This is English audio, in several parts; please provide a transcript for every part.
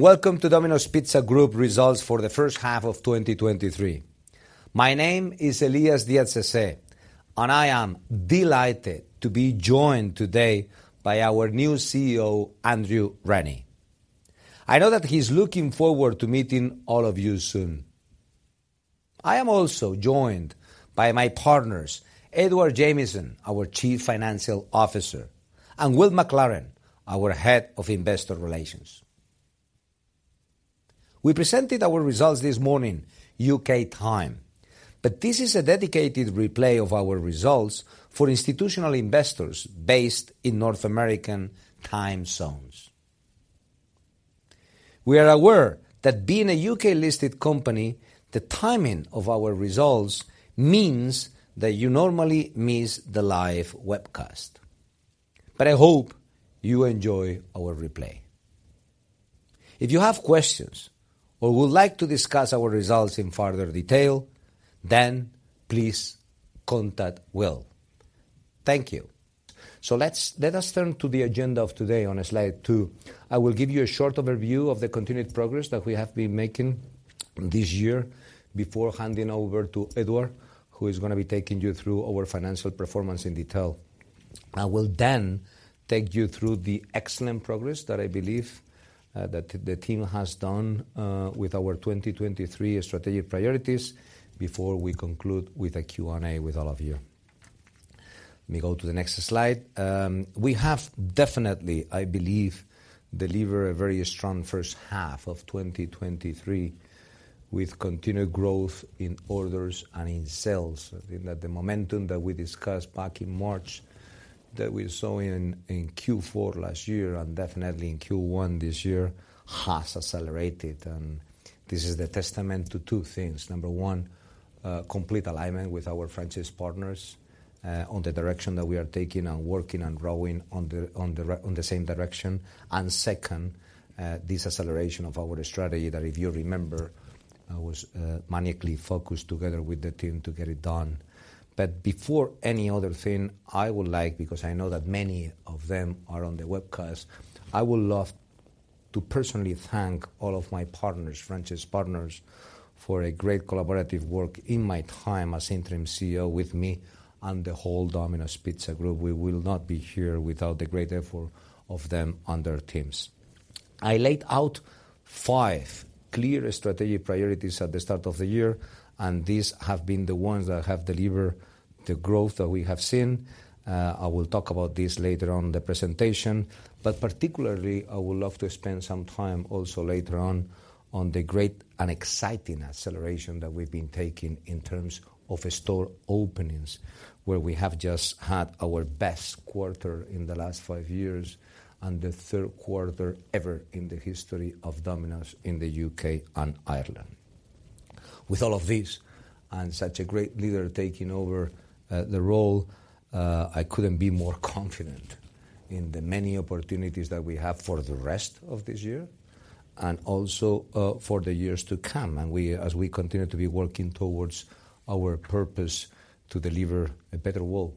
Welcome to Domino's Pizza Group results for the first half of 2023. My name is Elias Diaz Sese, and I am delighted to be joined today by our new CEO, Andrew Rennie. I know that he's looking forward to meeting all of you soon. I am also joined by my partners, Edward Jamieson, our chief financial officer, and Will MacLaren, our head of investor relations. We presented our results this morning, U.K. time, but this is a dedicated replay of our results for institutional investors based in North American time zones. We are aware that being a U.K.-listed company, the timing of our results means that you normally miss the live webcast, but I hope you enjoy our replay. If you have questions or would like to discuss our results in further detail, please contact Will. Thank you. Let's, let us turn to the agenda of today on slide two. I will give you a short overview of the continued progress that we have been making this year before handing over to Edward, who is gonna be taking you through our financial performance in detail. I will then take you through the excellent progress that I believe that the team has done with our 2023 strategic priorities, before we conclude with a Q&A with all of you. Let me go to the next slide. We have definitely, I believe, delivered a very strong first half of 2023, with continued growth in orders and in sales. I think that the momentum that we discussed back in March, that we saw in, in Q4 last year and definitely in Q1 this year, has accelerated, and this is a testament to two things. Number one, complete alignment with our franchise partners, on the direction that we are taking and working and growing on the, on the same direction. And second, this acceleration of our strategy that, if you remember, I was maniacally focused together with the team to get it done. But before any other thing, I would like, because I know that many of them are on the webcast, I would love to personally thank all of my partners, franchise partners, for a great collaborative work in my time as Interim CEO with me and the whole Domino's Pizza Group. We will not be here without the great effort of them and their teams. I laid out five clear strategic priorities at the start of the year, and these have been the ones that have delivered the growth that we have seen. I will talk about this later on in the presentation, but particularly, I would love to spend some time also later on, on the great and exciting acceleration that we've been taking in terms of store openings, where we have just had our best quarter in the last five years, and the third quarter ever in the history of Domino's in the U.K. and Ireland. With all of this, and such a great leader taking over, the role, I couldn't be more confident in the many opportunities that we have for the rest of this year and also, for the years to come, as we continue to be working towards our purpose to deliver a better world,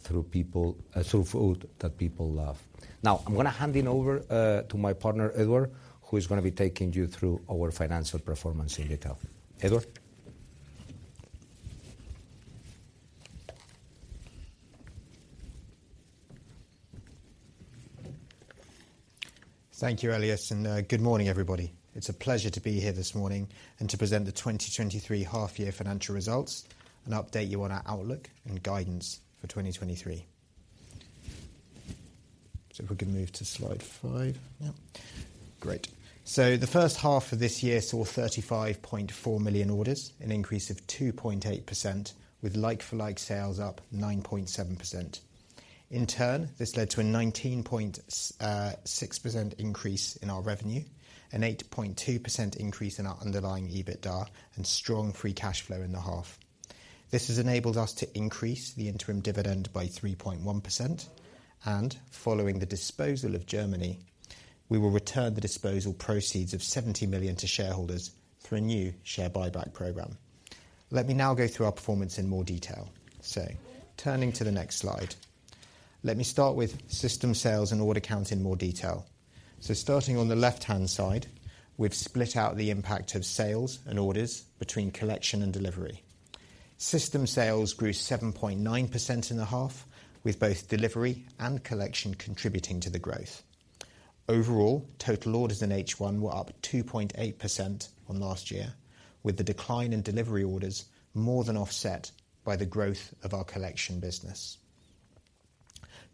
through people, through food that people love. Now, I'm gonna hand it over, to my partner, Edward, who is gonna be taking you through our financial performance in detail. Edward? Thank you, Elias. Good morning, everybody. It's a pleasure to be here this morning and to present the 2023 half year financial results and update you on our outlook and guidance for 2023. If we can move to slide five. Yeah. Great. The first half of this year saw 35.4 million orders, an increase of 2.8%, with like-for-like sales up 9.7%. In turn, this led to a 19.6% increase in our revenue, an 8.2% increase in our underlying EBITDA, and strong free cash flow in the half. This has enabled us to increase the interim dividend by 3.1%. Following the disposal of Germany, we will return the disposal proceeds of 70 million to shareholders through a new share buyback program. Let me now go through our performance in more detail. Turning to the next slide, let me start with system sales and order count in more detail. Starting on the left-hand side, we've split out the impact of sales and orders between collection and delivery. System sales grew 7.9% in the half, with both delivery and collection contributing to the growth. Overall, total orders in H1 were up 2.8% on last year, with the decline in delivery orders more than offset by the growth of our collection business.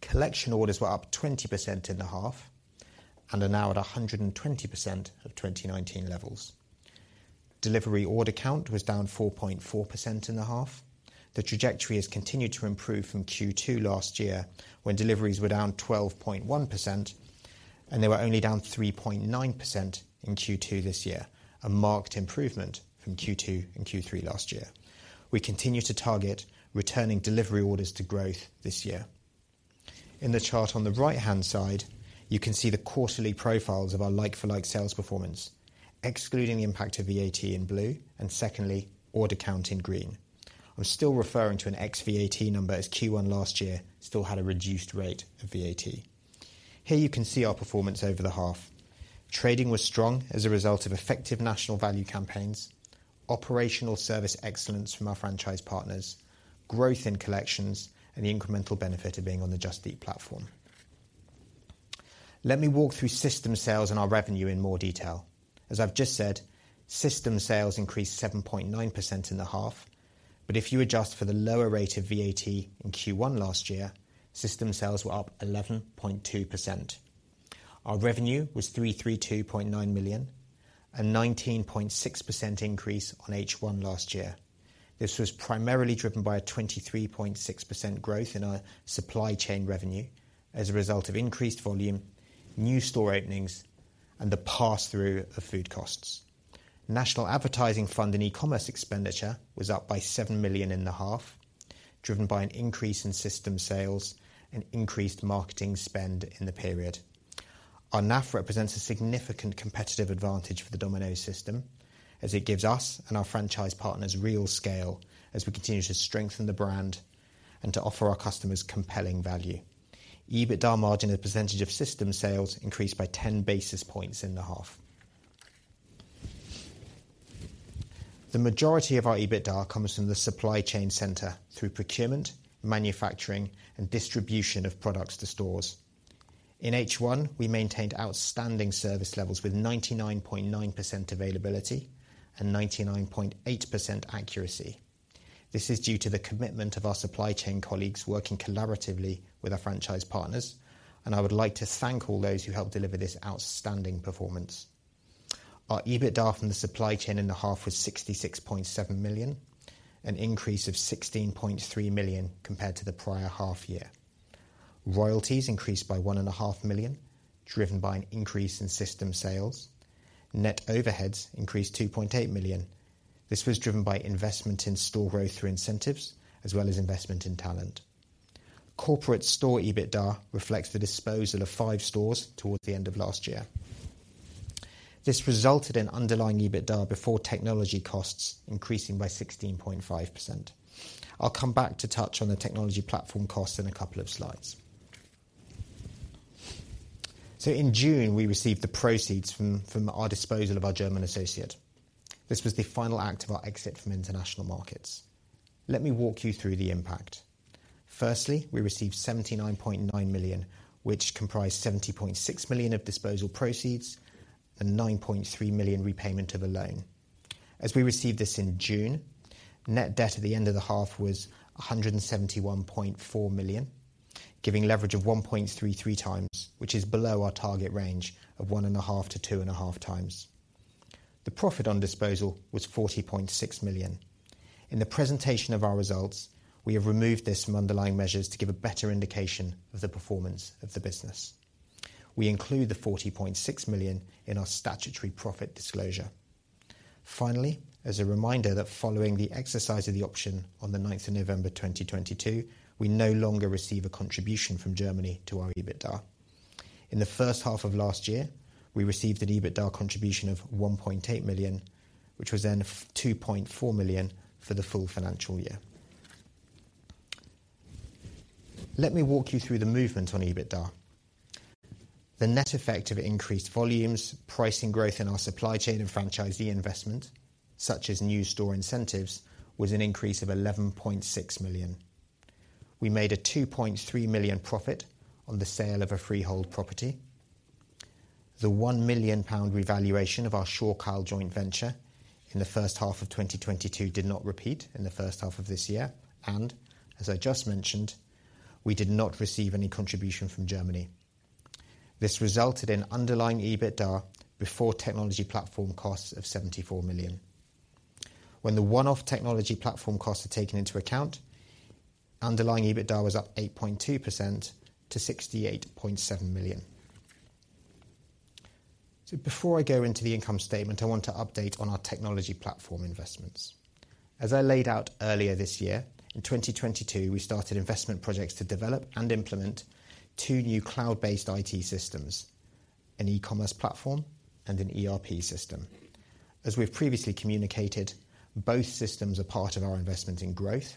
Collection orders were up 20% in the half and are now at 120% of 2019 levels. Delivery order count was down 4.4% in the half. The trajectory has continued to improve from Q2 last year, when deliveries were down 12.1%, and they were only down 3.9% in Q2 this year, a marked improvement from Q2 and Q3 last year. We continue to target returning delivery orders to growth this year. In the chart on the right-hand side, you can see the quarterly profiles of our like-for-like sales performance, excluding the impact of VAT in blue, and secondly, order count in green. I'm still referring to an ex-VAT number, as Q1 last year still had a reduced rate of VAT. Here, you can see our performance over the half. Trading was strong as a result of effective national value campaigns, operational service excellence from our franchise partners, growth in collections, and the incremental benefit of being on the Just Eat platform. Let me walk through system sales and our revenue in more detail. As I've just said, system sales increased 7.9% in the half, but if you adjust for the lower rate of VAT in Q1 last year, system sales were up 11.2%. Our revenue was 332.9 million, a 19.6% increase on H1 last year. This was primarily driven by a 23.6% growth in our supply chain revenue as a result of increased volume, new store openings, and the pass-through of food costs. National Advertising Fund and e-commerce expenditure was up by 7 million in the half, driven by an increase in system sales and increased marketing spend in the period. Our NAF represents a significant competitive advantage for the Domino's system, as it gives us and our franchise partners real scale, as we continue to strengthen the brand and to offer our customers compelling value. EBITDA margin as a percentage of system sales increased by 10 basis points in the half. The majority of our EBITDA comes from the supply chain center through procurement, manufacturing, and distribution of products to stores. In H1, we maintained outstanding service levels with 99.9% availability and 99.8% accuracy. This is due to the commitment of our supply chain colleagues working collaboratively with our franchise partners, and I would like to thank all those who helped deliver this outstanding performance. Our EBITDA from the supply chain in the half was 66.7 million, an increase of 16.3 million compared to the prior half year. Royalties increased by 1.5 million, driven by an increase in system sales. Net overheads increased 2.8 million. This was driven by investment in store growth through incentives, as well as investment in talent. Corporate store EBITDA reflects the disposal of five stores towards the end of last year. This resulted in underlying EBITDA before technology costs increasing by 16.5%. I'll come back to touch on the technology platform costs in a couple of slides. In June, we received the proceeds from our disposal of our German associate. This was the final act of our exit from international markets. Let me walk you through the impact. Firstly, we received 79.9 million, which comprised 70.6 million of disposal proceeds and 9.3 million repayment of a loan. As we received this in June, net debt at the end of the half was 171.4 million, giving leverage of 1.33x, which is below our target range of 1.5x to 2.5x. The profit on disposal was 40.6 million. In the presentation of our results, we have removed this from underlying measures to give a better indication of the performance of the business. We include the 40.6 million in our statutory profit disclosure. Finally, as a reminder that following the exercise of the option on the 9th of November, 2022, we no longer receive a contribution from Germany to our EBITDA. In the first half of last year, we received an EBITDA contribution of 1.8 million, which was then 2.4 million for the full financial year. Let me walk you through the movement on EBITDA. The net effect of increased volumes, pricing growth in our supply chain, and franchisee investment, such as new store incentives, was an increase of 11.6 million. We made a 2.3 million profit on the sale of a freehold property. The 1 million pound revaluation of our Shorecal joint venture in the first half of 2022 did not repeat in the first half of this year, and as I just mentioned, we did not receive any contribution from Germany. This resulted in underlying EBITDA before technology platform costs of 74 million. When the one-off technology platform costs are taken into account, underlying EBITDA was up 8.2% to 68.7 million. Before I go into the income statement, I want to update on our technology platform investments. As I laid out earlier this year, in 2022, we started investment projects to develop and implement two new cloud-based IT systems, an e-commerce platform and an ERP system. As we've previously communicated, both systems are part of our investment in growth,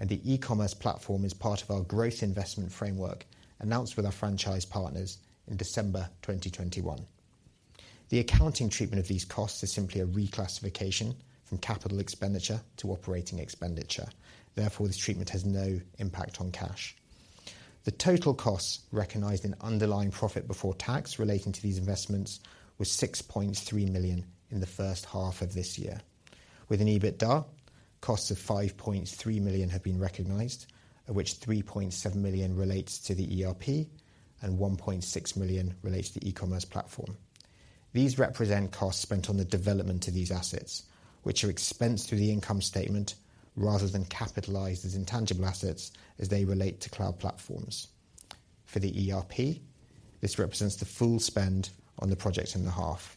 and the e-commerce platform is part of our growth investment framework, announced with our franchise partners in December 2021. The accounting treatment of these costs is simply a reclassification from capital expenditure to operating expenditure. This treatment has no impact on cash. The total costs recognized in underlying profit before tax relating to these investments was 6.3 million in the first half of this year. With an EBITDA, costs of 5.3 million have been recognized, of which 3.7 million relates to the ERP and 1.6 million relates to the e-commerce platform. These represent costs spent on the development of these assets, which are expensed through the income statement rather than capitalized as intangible assets as they relate to cloud platforms. For the ERP, this represents the full spend on the project in the half.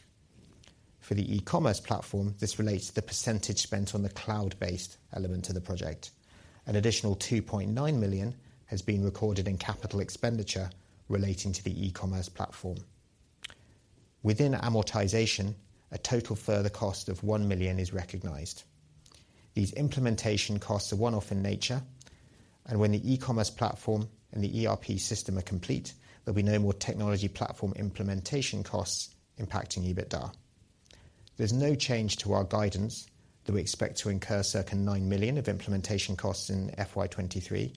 For the e-commerce platform, this relates to the % spent on the cloud-based element of the project. An additional 2.9 million has been recorded in capital expenditure relating to the e-commerce platform. Within amortization, a total further cost of 1 million is recognized. These implementation costs are one-off in nature, and when the e-commerce platform and the ERP system are complete, there'll be no more technology platform implementation costs impacting EBITDA. There's no change to our guidance that we expect to incur circa 9 million of implementation costs in FY 2023,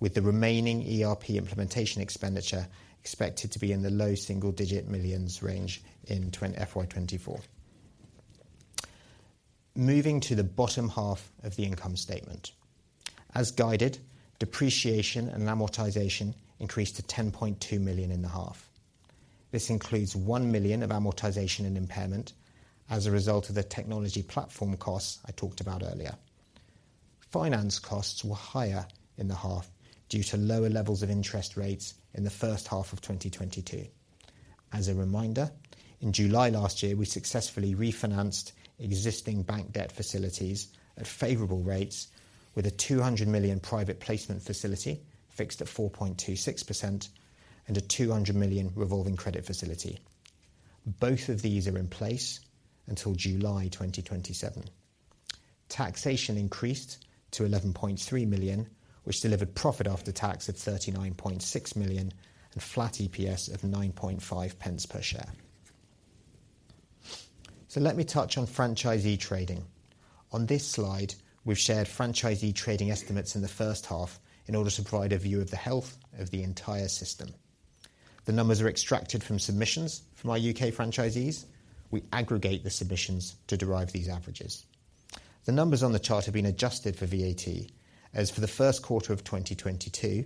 with the remaining ERP implementation expenditure expected to be in the low single-digit millions range in FY 2024. Moving to the bottom half of the income statement. As guided, depreciation and amortization increased to 10.2 million in the half. This includes 1 million of amortization and impairment as a result of the technology platform costs I talked about earlier. Finance costs were higher in the half due to lower levels of interest rates in the first half of 2022. As a reminder, in July last year, we successfully refinanced existing bank debt facilities at favorable rates with a 200 million private placement facility fixed at 4.26% and a 200 million revolving credit facility. Both of these are in place until July 2027. Taxation increased to 11.3 million, which delivered profit after tax at 39.6 million, and flat EPS of 9.5 pence per share. Let me touch on franchisee trading. On this slide, we've shared franchisee trading estimates in the first half in order to provide a view of the health of the entire system. The numbers are extracted from submissions from our U.K. franchisees. We aggregate the submissions to derive these averages. The numbers on the chart have been adjusted for VAT, as for the first quarter of 2022,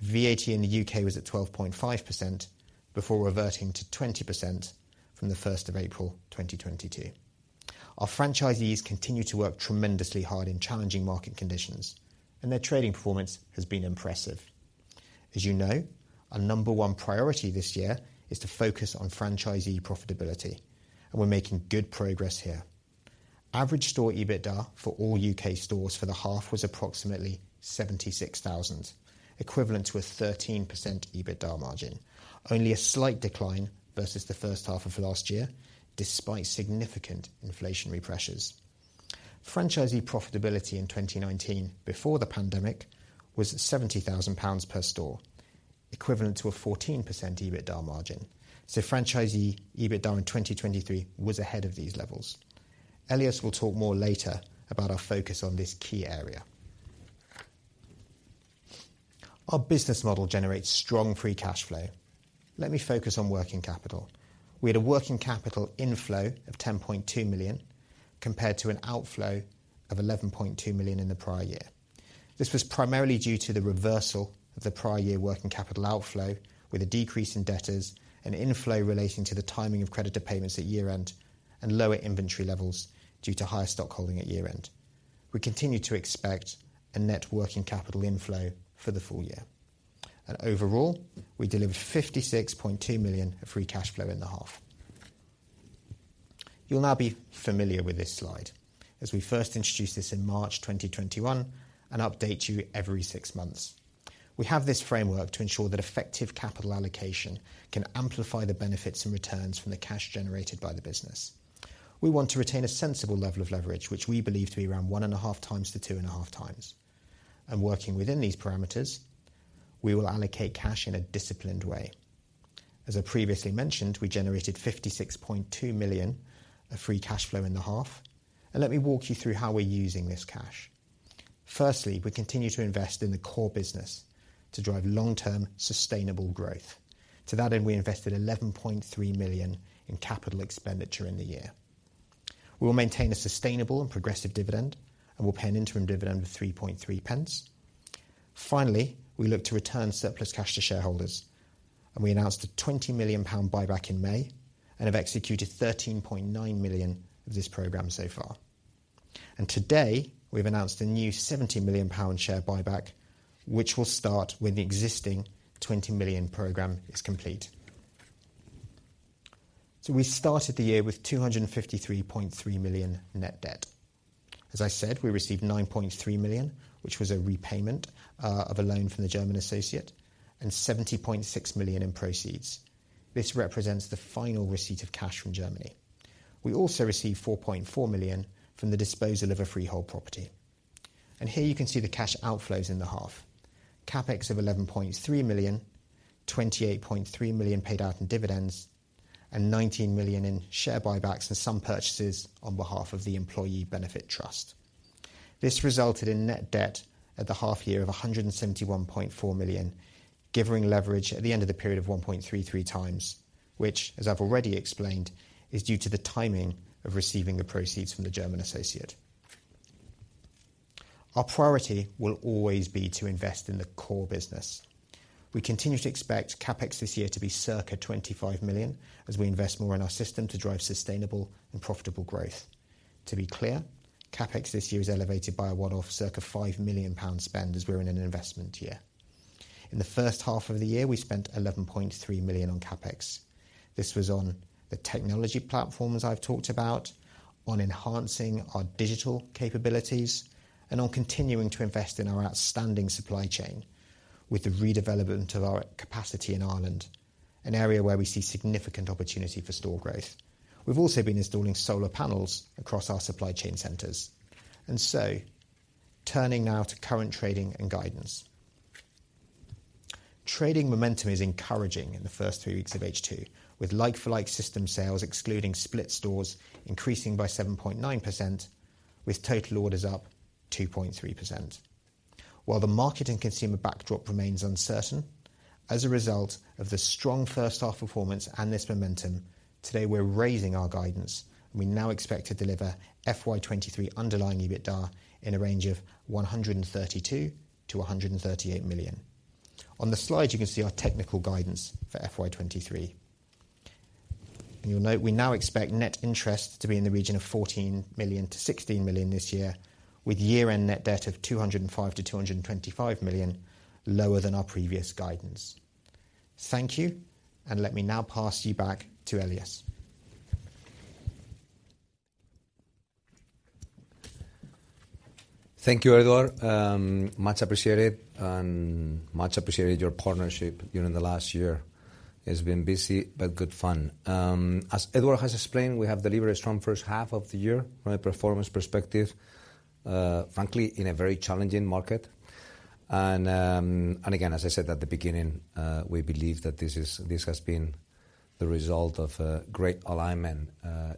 VAT in the U.K. was at 12.5% before reverting to 20% from April 1, 2022. Our franchisees continue to work tremendously hard in challenging market conditions, and their trading performance has been impressive. As you know, our number one priority this year is to focus on franchisee profitability, and we're making good progress here. Average store EBITDA for all U.K. stores for the half was approximately 76,000, equivalent to a 13% EBITDA margin. Only a slight decline versus the first half of last year, despite significant inflationary pressures. Franchisee profitability in 2019, before the pandemic, was 70,000 pounds per store, equivalent to a 14% EBITDA margin, so franchisee EBITDA in 2023 was ahead of these levels. Elias will talk more later about our focus on this key area. Our business model generates strong free cash flow. Let me focus on working capital. We had a working capital inflow of 10.2 million, compared to an outflow of 11.2 million in the prior year. This was primarily due to the reversal of the prior year working capital outflow, with a decrease in debtors and inflow relating to the timing of creditor payments at year-end, and lower inventory levels due to higher stockholding at year-end. We continue to expect a net working capital inflow for the full year. Overall, we delivered 56.2 million of free cash flow in the half. You'll now be familiar with this slide, as we first introduced this in March 2021 and update you every six months. We have this framework to ensure that effective capital allocation can amplify the benefits and returns from the cash generated by the business. We want to retain a sensible level of leverage, which we believe to be around 1.5x-2.5x, and working within these parameters, we will allocate cash in a disciplined way. As I previously mentioned, we generated 56.2 million of free cash flow in the half, and let me walk you through how we're using this cash. Firstly, we continue to invest in the core business to drive long-term, sustainable growth. To that end, we invested 11.3 million in CapEx in the year. We will maintain a sustainable and progressive dividend and will pay an interim dividend of 0.033. Finally, we look to return surplus cash to shareholders. We announced a 20 million pound buyback in May and have executed 13.9 million of this program so far. Today, we've announced a new 70 million pound share buyback, which will start when the existing 20 million program is complete. We started the year with 253.3 million net debt. As I said, we received 9.3 million, which was a repayment of a loan from the German associate, and 70.6 million in proceeds. This represents the final receipt of cash from Germany. We also received 4.4 million from the disposal of a freehold property. Here you can see the cash outflows in the half. CapEx of 11.3 million, 28.3 million paid out in dividends, and 19 million in share buybacks and some purchases on behalf of the employee benefit trust. This resulted in net debt at the half year of 171.4 million, giving leverage at the end of the period of 1.33 times, which, as I've already explained, is due to the timing of receiving the proceeds from the German associate. Our priority will always be to invest in the core business. We continue to expect CapEx this year to be circa 25 million, as we invest more in our system to drive sustainable and profitable growth. To be clear, CapEx this year is elevated by a one-off circa 5 million pound spend as we're in an investment year. In the first half of the year, we spent 11.3 million on CapEx. This was on the technology platform, as I've talked about, on enhancing our digital capabilities and on continuing to invest in our outstanding supply chain with the redevelopment of our capacity in Ireland, an area where we see significant opportunity for store growth. We've also been installing solar panels across our supply chain centers. Turning now to current trading and guidance. Trading momentum is encouraging in the first three weeks of H2, with like-for-like system sales, excluding split stores, increasing by 7.9%, with total orders up 2.3%. While the market and consumer backdrop remains uncertain, as a result of the strong first half performance and this momentum, today we're raising our guidance. We now expect to deliver FY 2023 underlying EBITDA in a range of 132 million-138 million. On the slide, you can see our technical guidance for FY 2023. You'll note we now expect net interest to be in the region of 14 million-16 million this year, with year-end net debt of 205 million-225 million, lower than our previous guidance. Thank you, and let me now pass you back to Elias. Thank you, Edward. Much appreciated and much appreciated your partnership during the last year. It's been busy, but good fun. As Edward has explained, we have delivered a strong first half of the year from a performance perspective, frankly, in a very challenging market. Again, as I said at the beginning, we believe that this has been the result of a great alignment,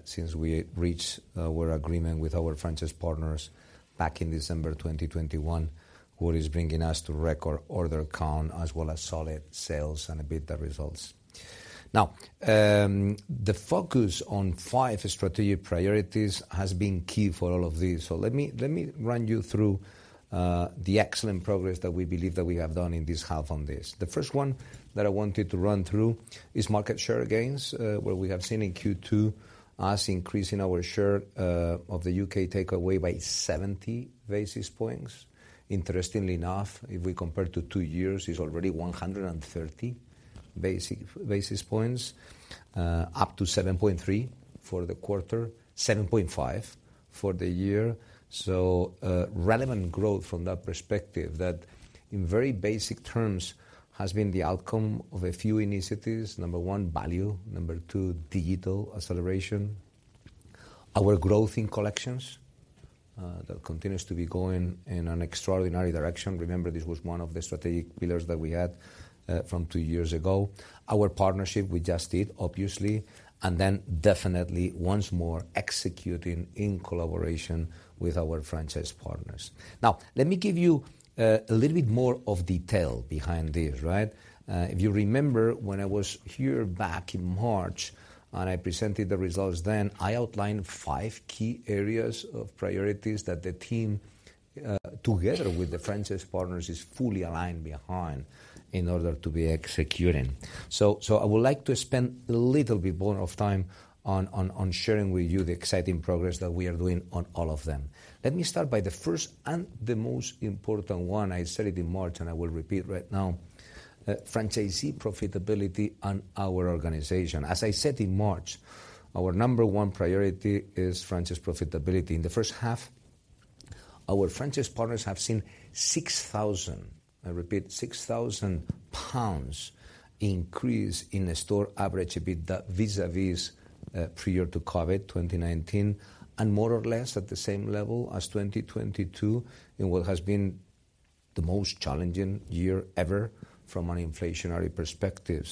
since we reached our agreement with our franchise partners back in December 2021, what is bringing us to record order count as well as solid sales and EBITDA results. Now, the focus on five strategic priorities has been key for all of this. Let me run you through the excellent progress that we believe that we have done in this half on this. The first one that I wanted to run through is market share gains, where we have seen in Q2, us increasing our share of the U.K. takeaway by 70 basis points. Interestingly enough, if we compare to two years, it's already 130 basis points up to 7.3 for the quarter, 7.5 for the year. Relevant growth from that perspective, that in very basic terms, has been the outcome of a few initiatives. Number one, value. Number two, digital acceleration. Our growth in collections, that continues to be going in an extraordinary direction. Remember, this was one of the strategic pillars that we had from two years ago. Our partnership, we just did, obviously, and then definitely once more, executing in collaboration with our franchise partners. Let me give you a little bit more of detail behind this, right? If you remember, when I was here back in March and I presented the results then, I outlined five key areas of priorities that the team, together with the franchise partners, is fully aligned behind in order to be executing. I would like to spend a little bit more of time on sharing with you the exciting progress that we are doing on all of them. Let me start by the first and the most important one. I said it in March, I will repeat right now, franchisee profitability and our organization. As I said in March, our number one priority is franchise profitability. In the first half, our franchise partners have seen 6,000, I repeat, 6,000 pounds increase in the store average EBITDA, vis-a-vis, prior to COVID, 2019, and more or less at the same level as 2022, in what has been the most challenging year ever from an inflationary perspective.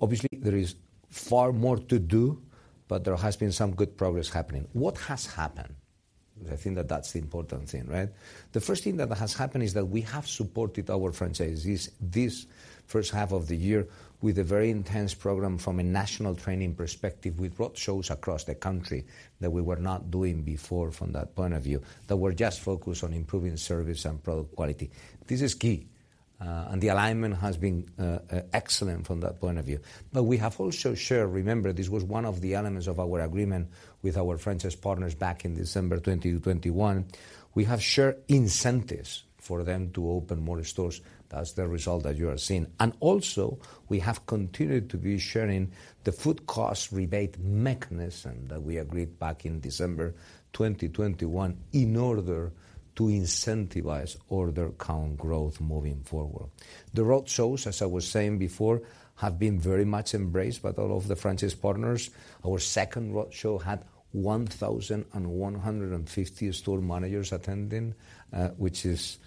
Obviously, there is far more to do, but there has been some good progress happening. What has happened? I think that that's the important thing, right? The first thing that has happened is that we have supported our franchisees this first half of the year with a very intense program from a national training perspective. We've brought shows across the country that we were not doing before from that point of view, that were just focused on improving service and product quality. This is key, and the alignment has been excellent from that point of view. We have also shared, remember, this was one of the elements of our agreement with our franchise partners back in December 2020-2021, we have shared incentives for them to open more stores. That's the result that you are seeing. Also, we have continued to be sharing the food cost rebate mechanism that we agreed back in December 2021, in order to incentivize order count growth moving forward. The road shows, as I was saying before, have been very much embraced by all of the franchise partners. Our second road show had 1,150 store managers attending, which is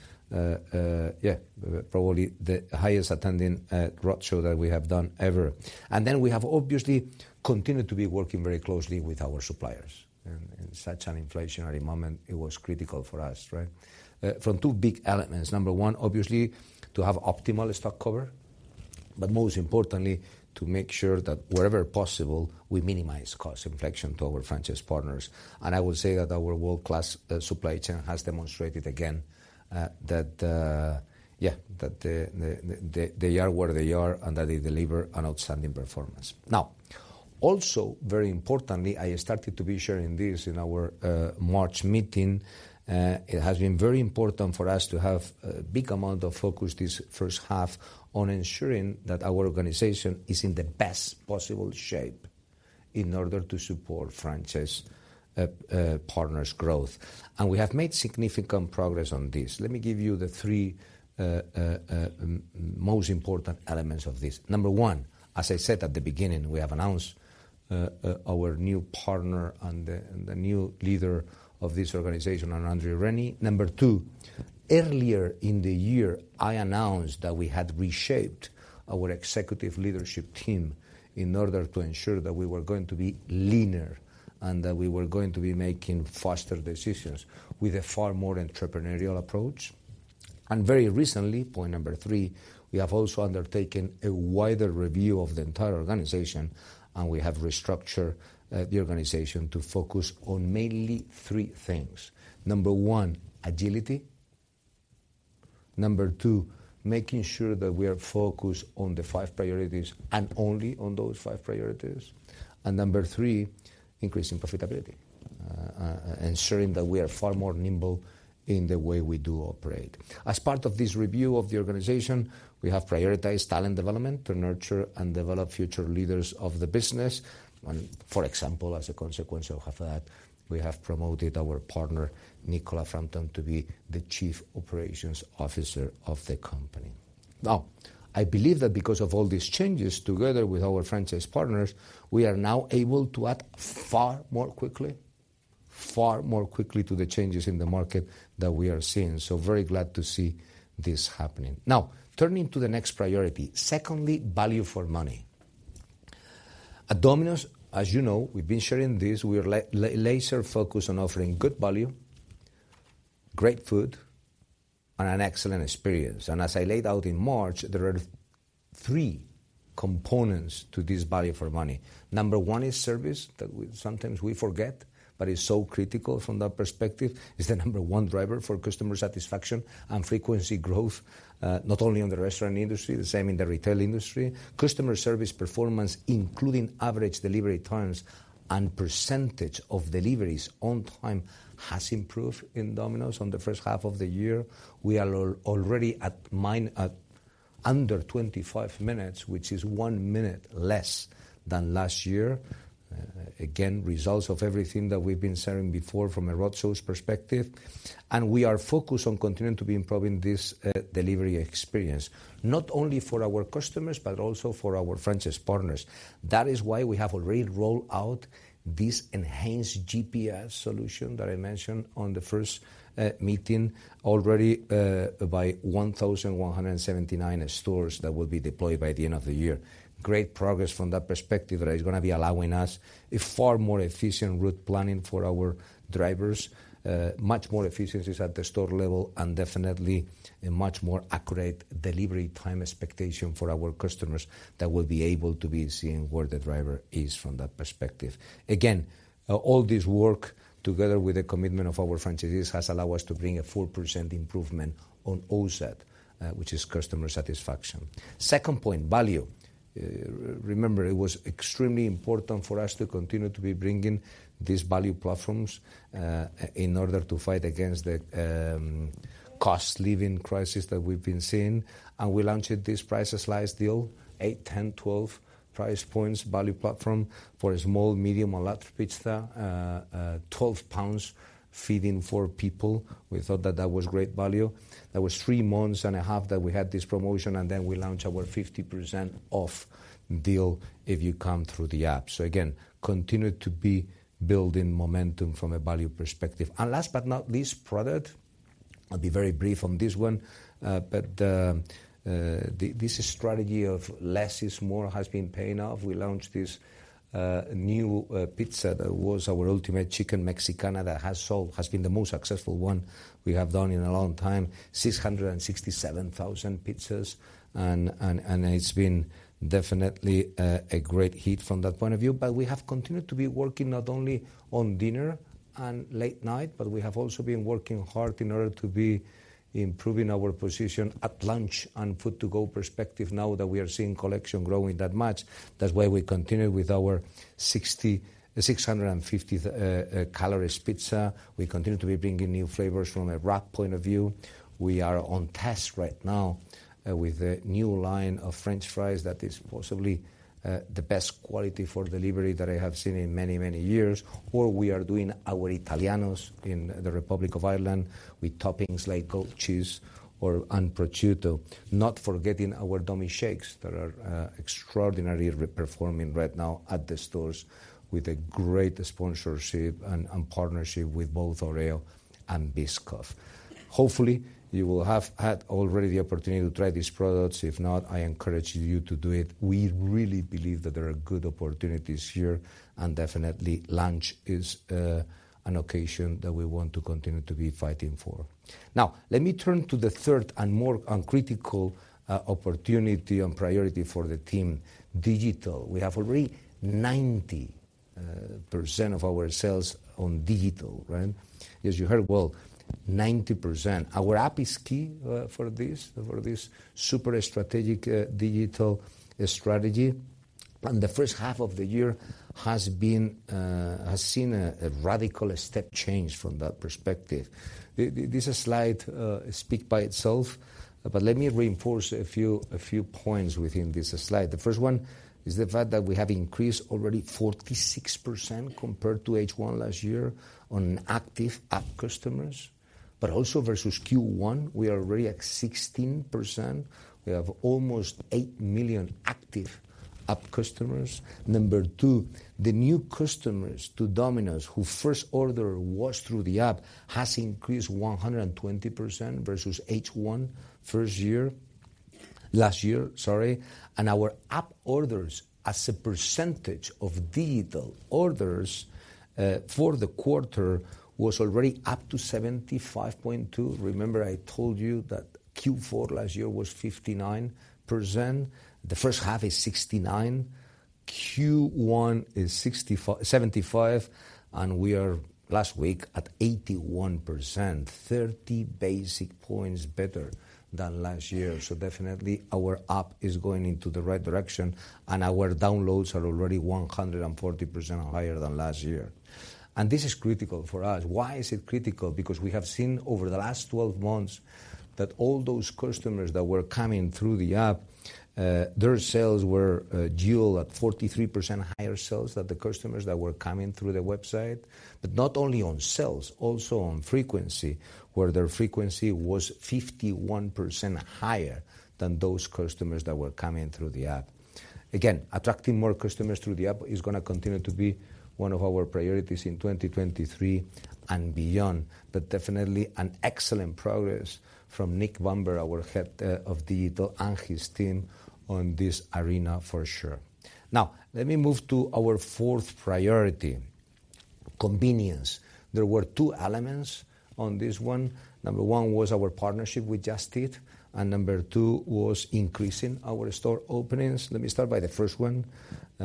probably the highest attending roadshow that we have done ever. We have obviously continued to be working very closely with our suppliers. In, in such an inflationary moment, it was critical for us, right? From two big elements. Number one, obviously, to have optimal stock cover, but most importantly, to make sure that wherever possible, we minimize cost inflation to our franchise partners. I will say that our world-class supply chain has demonstrated again that they, they are where they are and that they deliver an outstanding performance. Very importantly, I started to be sharing this in our March meeting. It has been very important for us to have a big amount of focus this first half on ensuring that our organization is in the best possible shape. in order to support franchise partners' growth, and we have made significant progress on this. Let me give you the three most important elements of this. Number one, as I said at the beginning, we have announced our new partner and the new leader of this organization on Andrew Rennie. Number two, earlier in the year, I announced that we had reshaped our executive leadership team in order to ensure that we were going to be leaner and that we were going to be making faster decisions with a far more entrepreneurial approach. Very recently, point number three, we have also undertaken a wider review of the entire organization, and we have restructured the organization to focus on mainly three things. Number one, agility. Number two, making sure that we are focused on the five priorities and only on those five priorities. Number three, increasing profitability, ensuring that we are far more nimble in the way we do operate. As part of this review of the organization, we have prioritized talent development to nurture and develop future leaders of the business, and, for example, as a consequence of that, we have promoted our partner, Nicola Frampton, to be the Chief Operations Officer of the company. I believe that because of all these changes, together with our franchise partners, we are now able to act far more quickly, far more quickly to the changes in the market that we are seeing. Very glad to see this happening. Turning to the next priority. Secondly, value for money. At Domino's, as you know, we've been sharing this, we are laser focused on offering good value, great food, and an excellent experience. As I laid out in March, there are three components to this value for money. Number one is service, that sometimes we forget, but it's so critical from that perspective. It's the number one driver for customer satisfaction and frequency growth, not only in the restaurant industry, the same in the retail industry. Customer service performance, including average delivery times and percentage of deliveries on time, has improved in Domino's on the first half of the year. We are already at under 25 minutes, which is one minute less than last year. Again, results of everything that we've been sharing before from a route source perspective. We are focused on continuing to be improving this delivery experience, not only for our customers, but also for our franchise partners. That is why we have already rolled out this enhanced GPS solution that I mentioned on the first meeting, already, by 1,179 stores that will be deployed by the end of the year. Great progress from that perspective, that is gonna be allowing us a far more efficient route planning for our drivers, much more efficiencies at the store level, and definitely a much more accurate delivery time expectation for our customers that will be able to be seeing where the driver is from that perspective. Again, all this work, together with the commitment of our franchisees, has allowed us to bring a 4% improvement on OSAT, which is customer satisfaction. Second point, value. Remember, it was extremely important for us to continue to be bringing these value platforms in order to fight against the cost living crisis that we've been seeing. We launched this Price Slice deal, eight, 10, 12 price points value platform for a small, medium, or large pizza. 12 pounds, feeding four people. We thought that that was great value. That was three and a half months that we had this promotion, and then we launched our 50% off deal if you come through the app. Again, continue to be building momentum from a value perspective. Last but not least, product. I'll be very brief on this one, but this strategy of less is more has been paying off. We launched this new pizza, that was our Ultimate Chicken Mexicana, that has sold, has been the most successful one we have done in a long time, 667,000 pizzas, and it's been definitely a great hit from that point of view. We have continued to be working not only on dinner and late night, but we have also been working hard in order to be improving our position at lunch and food to go perspective now that we are seeing collection growing that much. That's why we continue with our 650 calories pizza. We continue to be bringing new flavors from a wrap point of view. We are on test right now, with a new line of french fries that is possibly the best quality for delivery that I have seen in many, many years, or we are doing our Italianos in the Republic of Ireland, with toppings like goat cheese or, and prosciutto. Not forgetting our DomiShakes, that are extraordinarily performing right now at the stores with a great sponsorship and partnership with both Oreo and Biscoff. Hopefully, you will have had already the opportunity to try these products. If not, I encourage you to do it. We really believe that there are good opportunities here, and definitely lunch is an occasion that we want to continue to be fighting for. Let me turn to the third and more and critical opportunity and priority for the team, digital. We have already 90% of our sales on digital, right? Yes, you heard well, 90%. Our app is key for this, for this super strategic digital strategy. The first half of the year has been, has seen a, a radical step change from that perspective. This slide speak by itself, but let me reinforce a few, a few points within this slide. The first one is the fact that we have increased already 46% compared to H1 last year on active app customers, but also versus Q1, we are already at 16%. We have almost 8 million active app customers. Number two, the new customers to Domino's, who first order was through the app, has increased 120% versus H1 first year-- last year, sorry. Our app orders as a percentage of digital orders, for the quarter, was already up to 75.2. Remember, I told you that Q4 last year was 59%. The first half is 69, Q1 is 75, we are last week at 81%, 30 basic points better than last year. Definitely our app is going into the right direction, and our downloads are already 140% higher than last year. This is critical for us. Why is it critical? Because we have seen over the last 12 months, that all those customers that were coming through the app, their sales were 43% higher sales than the customers that were coming through the website. Not only on sales, also on frequency, where their frequency was 51% higher than those customers that were coming through the app. Attracting more customers through the app is gonna continue to be one of our priorities in 2023 and beyond, but definitely an excellent progress from Nick Bamber, our head of digital, and his team on this arena for sure. Let me move to our fourth priority, convenience. There were two elements on this one. Number one was our partnership with Just Eat, and number two was increasing our store openings. Let me start by the first one.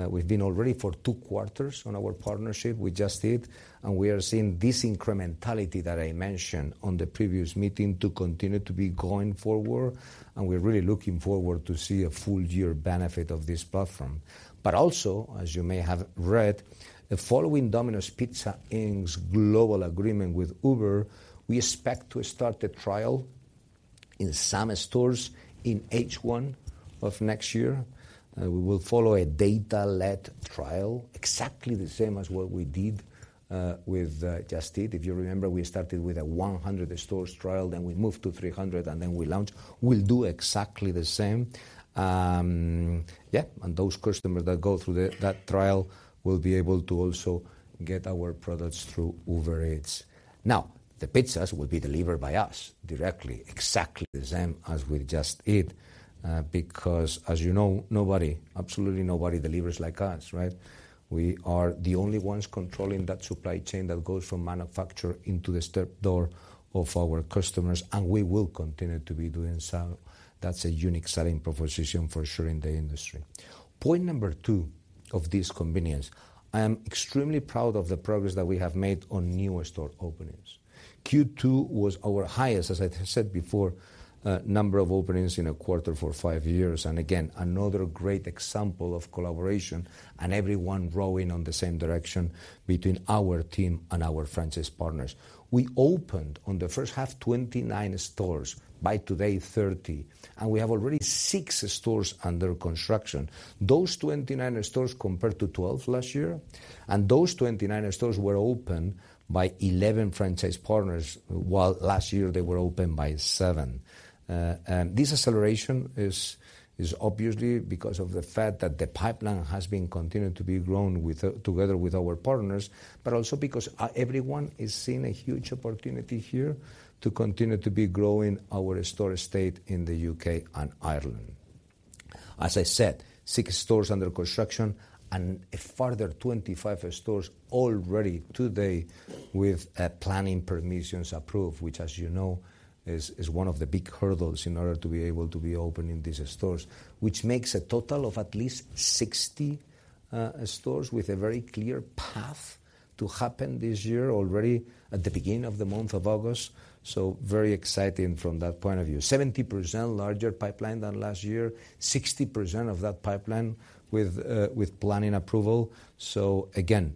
We've been already for two quarters on our partnership with Just Eat, and we are seeing this incrementality that I mentioned on the previous meeting, to continue to be going forward, and we're really looking forward to see a full year benefit of this platform. Also, as you may have read, the following Domino's Pizza, Inc.'s global agreement with Uber, we expect to start the trial in some stores in H1 of next year. We will follow a data-led trial, exactly the same as what we did with Just Eat. If you remember, we started with a 100 stores trial, then we moved to 300, and then we launched. We'll do exactly the same. Those customers that go through the, that trial will be able to also get our products through Uber Eats. Now, the pizzas will be delivered by us directly, exactly the same as with Just Eat, because, as you know, nobody, absolutely nobody delivers like us, right? We are the only ones controlling that supply chain that goes from manufacturer into the step door of our customers, and we will continue to be doing so. That's a unique selling proposition for sure in the industry. Point number two of this convenience, I am extremely proud of the progress that we have made on new store openings. Q2 was our highest, as I have said before, number of openings in a quarter for five years, and again, another great example of collaboration and everyone rowing on the same direction between our team and our franchise partners. We opened on the first half, 29 stores, by today, 30, and we have already six stores under construction. Those 29 stores compared to 12 last year, those 29 stores were opened by 11 franchise partners, while last year they were opened by seven. This acceleration is, is obviously because of the fact that the pipeline has been continued to be grown with, together with our partners, but also because everyone is seeing a huge opportunity here to continue to be growing our store estate in the U.K. and Ireland. As I said, 6 stores under construction and a further 25 stores already today with planning permissions approved, which, as you know, is, is one of the big hurdles in order to be able to be opening these stores, which makes a total of at least 60 stores with a very clear path to happen this year, already at the beginning of the month of August. Very exciting from that point of view. 70% larger pipeline than last year, 60% of that pipeline with planning approval. Again,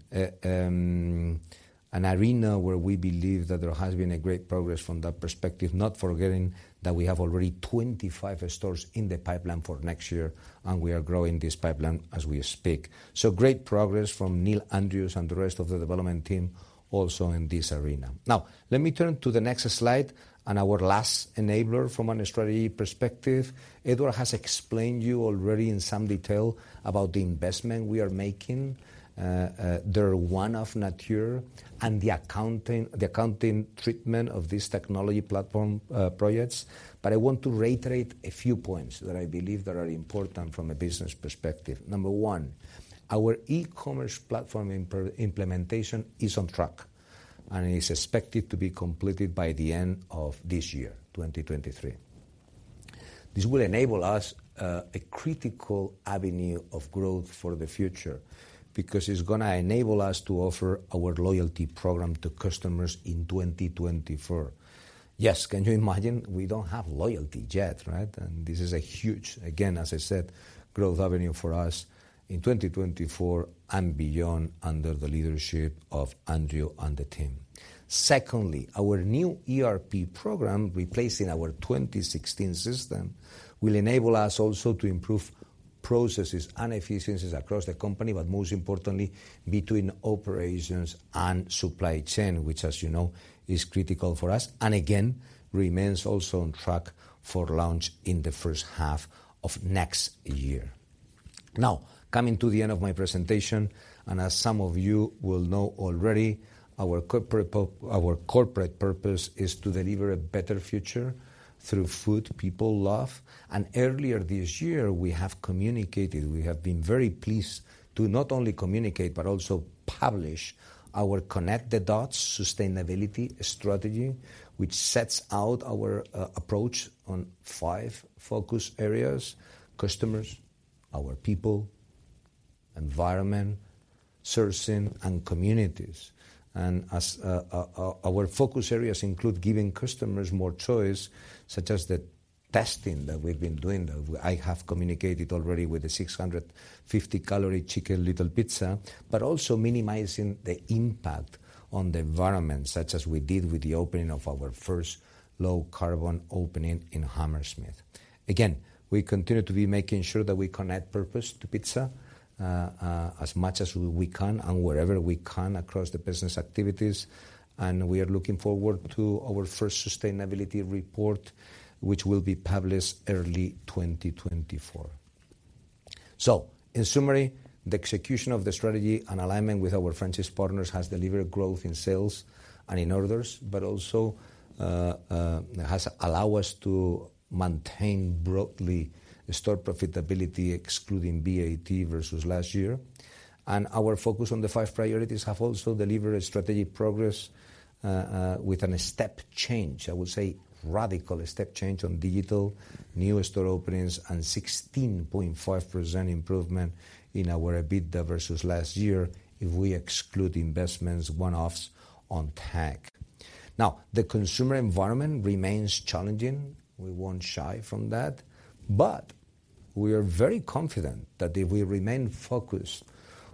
an arena where we believe that there has been a great progress from that perspective, not forgetting that we have already 25 stores in the pipeline for next year, and we are growing this pipeline as we speak. Great progress from Neil Andrews and the rest of the development team also in this arena. Let me turn to the next slide and our last enabler from a strategy perspective. Edward has explained to you already in some detail about the investment we are making, their one-off nature and the accounting, the accounting treatment of these technology platform projects. I want to reiterate a few points that I believe that are important from a business perspective. Number one, our e-commerce platform implementation is on track, and it is expected to be completed by the end of this year, 2023. This will enable us, a critical avenue of growth for the future, because it's going to enable us to offer our loyalty program to customers in 2024. Yes, can you imagine? We don't have loyalty yet, right? This is a huge, again, as I said, growth avenue for us in 2024 and beyond, under the leadership of Andrew and the team. Secondly, our new ERP program, replacing our 2016 system, will enable us also to improve processes and efficiencies across the company, but most importantly, between operations and supply chain, which, as you know, is critical for us, and again, remains also on track for launch in the first half of next year. Coming to the end of my presentation, as some of you will know already, our corporate purpose is to deliver a better future through food people love. Earlier this year, we have communicated, we have been very pleased to not only communicate, but also publish our Connect the Dots sustainability strategy, which sets out our approach on five focus areas: customers, our people, environment, sourcing, and communities. As our focus areas include giving customers more choice, such as the testing that we've been doing. I have communicated already with the 650 calorie Cheeky Little Pizza, but also minimizing the impact on the environment, such as we did with the opening of our first low carbon opening in Hammersmith. We continue to be making sure that we connect purpose to pizza as much as we can and wherever we can across the business activities, and we are looking forward to our first sustainability report, which will be published early 2024. In summary, the execution of the strategy and alignment with our franchise partners has delivered growth in sales and in orders, but also has allow us to maintain broadly store profitability, excluding VAT, versus last year. Our focus on the five priorities have also delivered a strategic progress with a step change, I would say, radical step change on digital, new store openings, and 16.5% improvement in our EBITDA versus last year, if we exclude investments, one-offs on TAC. The consumer environment remains challenging. We won't shy from that, but we are very confident that if we remain focused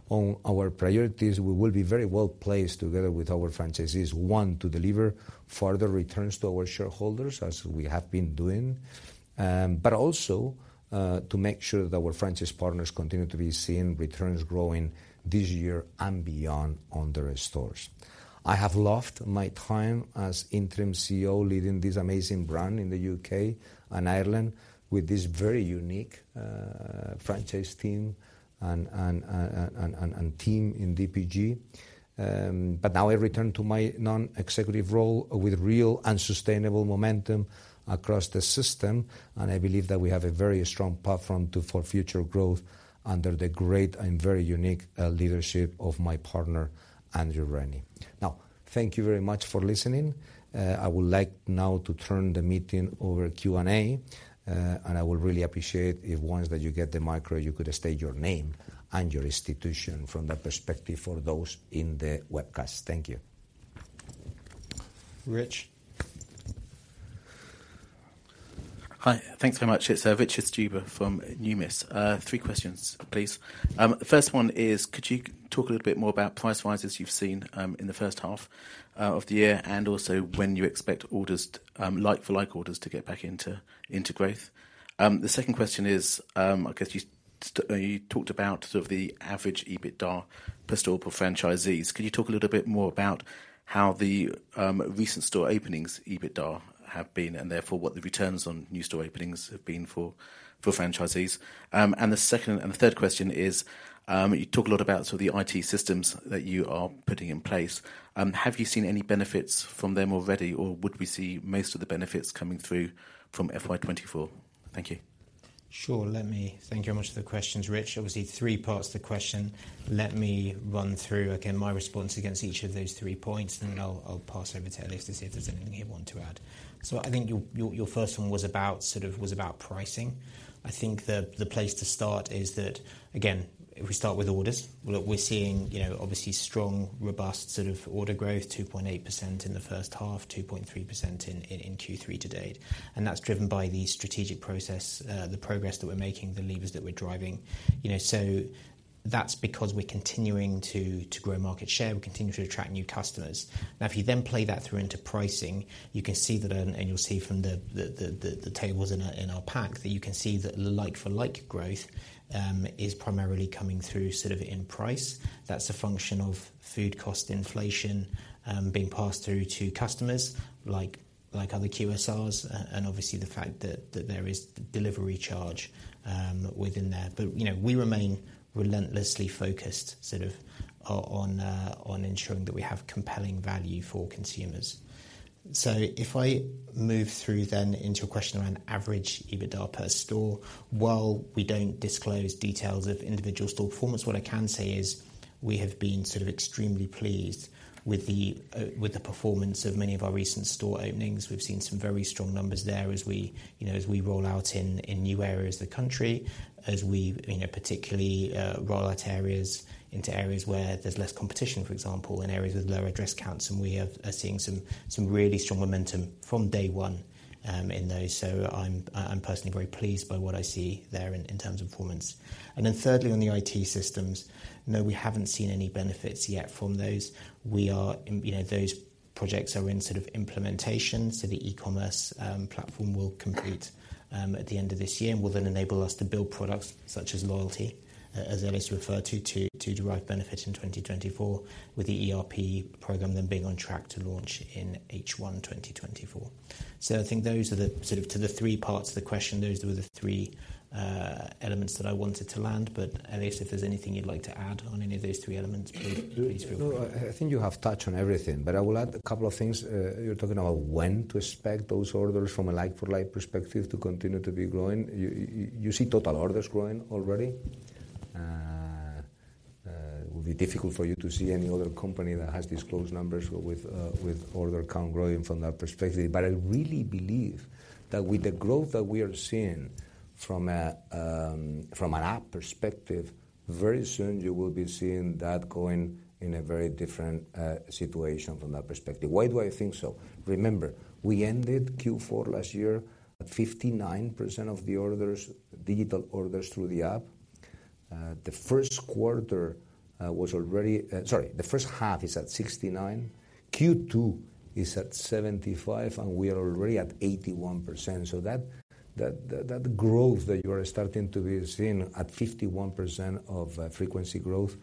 on our priorities, we will be very well placed together with our franchisees. One, to deliver further returns to our shareholders, as we have been doing, but also to make sure that our franchise partners continue to be seeing returns growing this year and beyond on their stores. I have loved my time as interim CEO, leading this amazing brand in the U.K. and Ireland with this very unique franchise team and team in DPG. Now I return to my non-executive role with real and sustainable momentum across the system, and I believe that we have a very strong platform for future growth under the great and very unique leadership of my partner, Andrew Rennie. Now, thank you very much for listening. I would like now to turn the meeting over to Q&A, and I would really appreciate if once that you get the micro, you could state your name and your institution from that perspective for those in the webcast. Thank you. Rich? Hi. Thanks very much. It's Richard Stuber from Numis. Three questions, please. The first one is, could you talk a little bit more about price rises you've seen in the first half of the year, and also when you expect orders, like-for-like orders to get back into, into growth? The second question is, I guess you talked about sort of the average EBITDA per store per franchisees. Could you talk a little bit more about how the recent store openings EBITDA have been, and therefore what the returns on new store openings have been for, for franchisees? The third question is, you talk a lot about sort of the IT systems that you are putting in place. Have you seen any benefits from them already, or would we see most of the benefits coming through from FY 2024? Thank you. Sure. Let me thank you very much for the questions, Rich. Three parts to the question. Let me run through again, my response against each of those three points, and then I'll, I'll pass over to Elias to see if there's anything he want to add. I think your, your, your first one was about, sort of, was about pricing. I think the, the place to start is that, again, if we start with orders, well, we're seeing, you know, obviously strong, robust sort of order growth, 2.8% in the first half, 2.3% in, in, in Q3 to date, that's driven by the strategic process, the progress that we're making, the levers that we're driving. You know, that's because we're continuing to, to grow market share. We're continuing to attract new customers. If you then play that through into pricing, you can see that, and you'll see from the tables in our pack, that you can see that like-for-like growth is primarily coming through sort of in price. That's a function of food cost inflation being passed through to customers like other QSRs, and obviously the fact that there is delivery charge within there. You know, we remain relentlessly focused, sort of, on ensuring that we have compelling value for consumers. If I move through then into a question around average EBITDA per store, while we don't disclose details of individual store performance, what I can say is we have been sort of extremely pleased with the performance of many of our recent store openings. We've seen some very strong numbers there as we, you know, as we roll out in, in new areas of the country, as we, you know, particularly, roll out areas into areas where there's less competition, for example, in areas with lower address counts, and we are seeing some, some really strong momentum from day one, in those. I'm, I'm personally very pleased by what I see there in, in terms of performance. Then thirdly, on the IT systems, no, we haven't seen any benefits yet from those. We are, you know, those projects are in sort of implementation, so the e-commerce platform will complete at the end of this year, and will then enable us to build products such as loyalty, as Alexis referred to, to, to derive benefits in 2024, with the ERP program then being on track to launch in H1 2024. I think those are the, sort of to the three parts of the question, those were the three elements that I wanted to land. Alexis, if there's anything you'd like to add on any of those three elements, please, please feel free. No, I, I think you have touched on everything, but I will add a couple of things. You're talking about when to expect those orders from a like-for-like perspective to continue to be growing. You see total orders growing already. It would be difficult for you to see any other company that has disclosed numbers with order count growing from that perspective. I really believe that with the growth that we are seeing from an app perspective, very soon you will be seeing that going in a very different situation from that perspective. Why do I think so? Remember, we ended Q4 last year at 59% of the orders, digital orders through the app. The first quarter was already... Sorry, the first half is at 69, Q2 is at 75, and we are already at 81%. That, that, that growth that you are starting to be seeing at 51% of frequency growth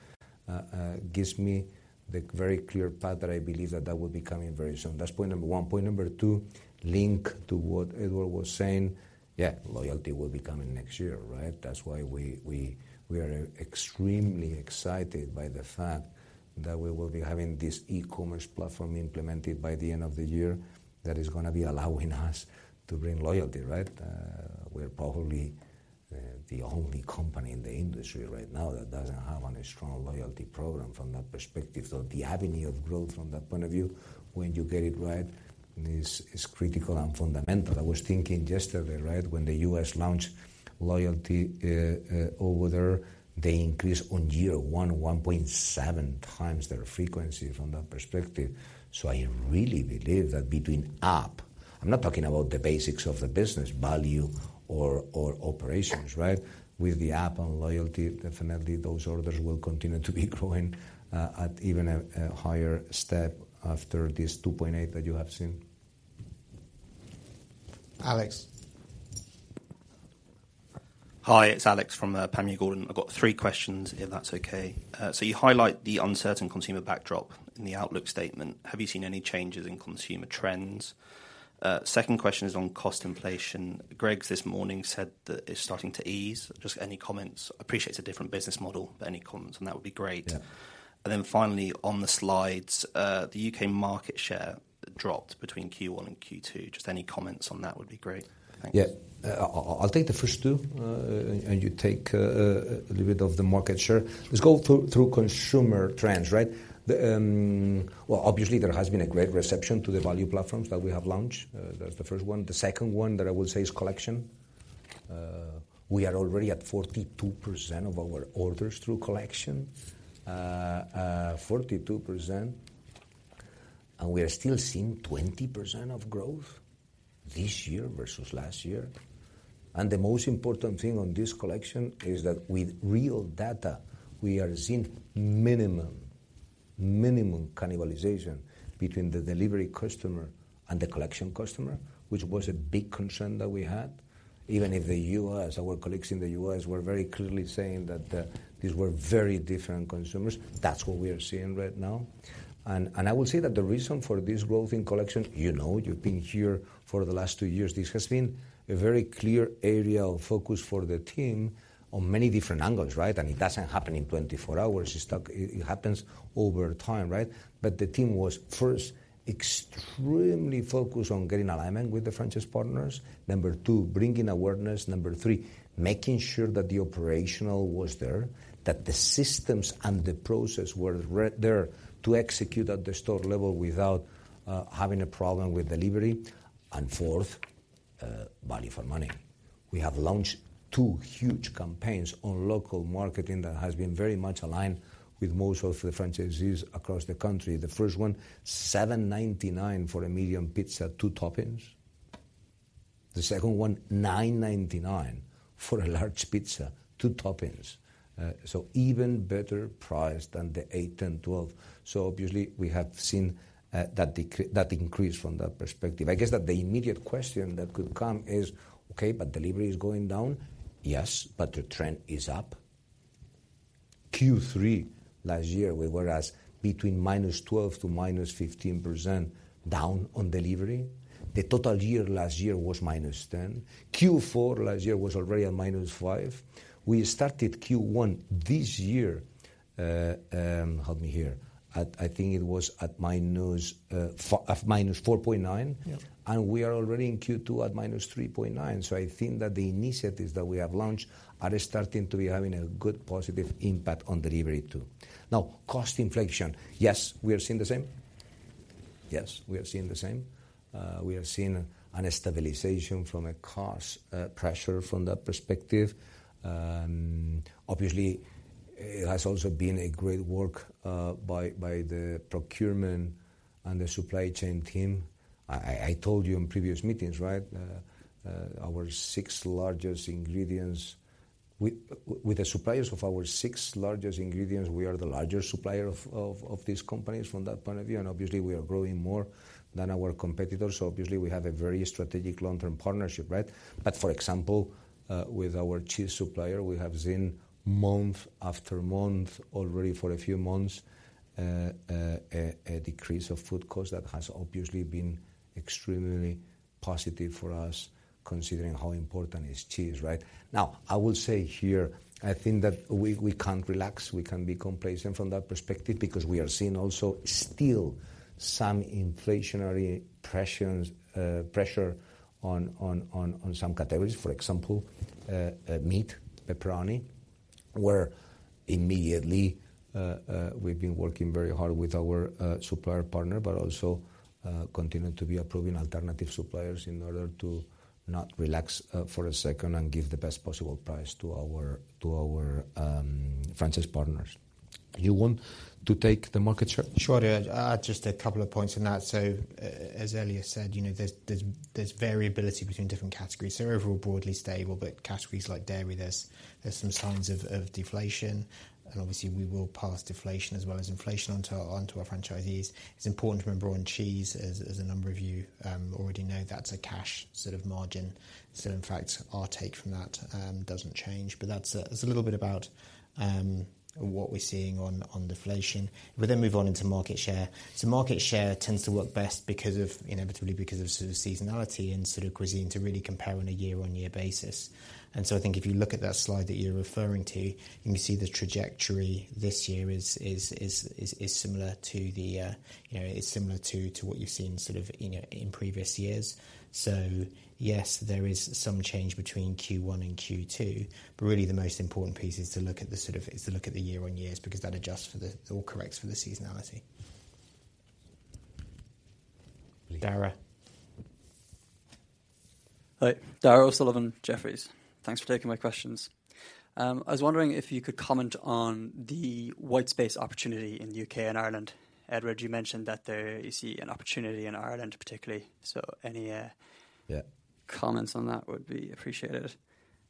gives me the very clear path that I believe that that will be coming very soon. That's point number one. Point number two, link to what Edward was saying, yeah, loyalty will be coming next year, right? That's why we, we, we are extremely excited by the fact that we will be having this e-commerce platform implemented by the end of the year. That is gonna be allowing us to bring loyalty, right? We're probably the only company in the industry right now that doesn't have a strong loyalty program from that perspective. The avenue of growth from that point of view, when you get it right, is, is critical and fundamental. I was thinking yesterday, right, when the U.S. launched loyalty over there, they increased on year 1, 1.7 times their frequency from that perspective. I really believe that between app, I'm not talking about the basics of the business, value or, or operations, right? With the app and loyalty, definitely those orders will continue to be growing at even a higher step after this 2.8 that you have seen. Alex? Hi, it's Alex from Panmure Gordon. I've got three questions, if that's okay. You highlight the uncertain consumer backdrop in the outlook statement. Have you seen any changes in consumer trends? Second question is on cost inflation. Greggs this morning said that it's starting to ease. Just any comments? Appreciate it's a different business model, but any comments, and that would be great. Yeah. Finally, on the slides, the U.K. market share dropped between Q1 and Q2. Just any comments on that would be great. Thanks. Yeah. I'll, I'll take the first two, and you take a little bit of the market share. Let's go through, through consumer trends, right? The, Well, obviously there has been a great reception to the value platforms that we have launched. That's the first one. The second one that I would say is collection. We are already at 42% of our orders through collection. 42%, and we are still seeing 20% of growth this year versus last year. The most important thing on this collection is that with real data, we are seeing minimum, minimum cannibalization between the delivery customer and the collection customer, which was a big concern that we had. Even if the U.S., our colleagues in the U.S., were very clearly saying that these were very different consumers. That's what we are seeing right now. And I will say that the reason for this growth in collection, you know, you've been here for the last two years, this has been a very clear area of focus for the team on many different angles, right? It doesn't happen in 24 hours. It happens over time, right? The team was first extremely focused on getting alignment with the franchise partners. Number two, bringing awareness. Number three, making sure that the operational was there, that the systems and the process were there to execute at the store level without having a problem with delivery. Fourth, value for money. We have launched two huge campaigns on local marketing that has been very much aligned with most of the franchisees across the country. The first one, 7.99 for a medium pizza, two toppings. The second one, 9.99 for a large pizza, two toppings. Even better price than the eight, 10, 12. obviously, we have seen that decre- that increase from that perspective. I guess that the immediate question that could come is: "Okay, but delivery is going down?" Yes, but the trend is up. Q3 last year, we were as between -12% to -15% down on delivery. The total year last year was -10%. Q4 last year was already at -5%. We started Q1 this year, help me here, at, I think it was at minus, at -4.9%. Yeah. We are already in Q2 at -3.9%. I think that the initiatives that we have launched are starting to be having a good positive impact on delivery, too. Cost inflation, yes, we are seeing the same. Yes, we are seeing the same. We are seeing a stabilization from a cost pressure from that perspective. Obviously, it has also been a great work by the procurement and the supply chain team. I told you in previous meetings, right? Our six largest ingredients, with the suppliers of our six largest ingredients, we are the largest supplier of these companies from that point of view, and obviously, we are growing more than our competitors, so obviously, we have a very strategic long-term partnership, right? For example, with our cheese supplier, we have seen month after month, already for a few months, a decrease of food cost. That has obviously been extremely positive for us, considering how important is cheese, right? I will say here, I think that we can't relax, we can't be complacent from that perspective, because we are seeing also still some inflationary pressures, pressure on some categories. For example, meat, pepperoni, where immediately, we've been working very hard with our supplier partner, but also, continuing to be approving alternative suppliers in order to not relax for a second and give the best possible price to our, to our franchise partners. You want to take the market share? Sure, I'll add just a couple of points on that. As earlier said, you know, there's, there's, there's variability between different categories. Overall, broadly stable, but categories like dairy, there's, there's some signs of, of deflation, and obviously, we will pass deflation as well as inflation onto our, onto our franchisees. It's important to remember on cheese, as, as a number of you already know, that's a cash sort of margin. In fact, our take from that doesn't change. That's a, it's a little bit about what we're seeing on, on deflation. We'll move on into market share. Market share tends to work best because of, inevitably because of sort of seasonality and sort of cuisine to really compare on a year-on-year basis. I think if you look at that slide that you're referring to, you can see the trajectory this year is, is, is, is similar to the, you know, is similar to, to what you've seen in previous years. Yes, there is some change between Q1 and Q2, but really the most important piece is to look at the is to look at the year-on-years, because that adjusts for the, or corrects for the seasonality. Darragh? Hi. Darragh O'Sullivan, Jefferies. Thanks for taking my questions. I was wondering if you could comment on the white space opportunity in the U.K. and Ireland. Edward, you mentioned that there you see an opportunity in Ireland, particularly, so any. Yeah Comments on that would be appreciated.